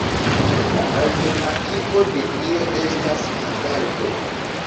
La alternativo de dio estas hazardo.